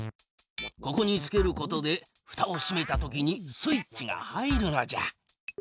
ここにつけることでふたをしめたときにスイッチが入るのじゃ。